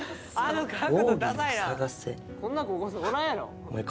「こんな高校生おらんやろ！」